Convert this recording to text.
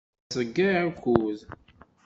La nettḍeyyiɛ akud.